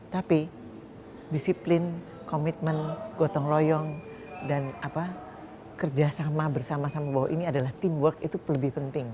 tapi disiplin komitmen gotong royong dan kerjasama bersama sama bahwa ini adalah teamwork itu lebih penting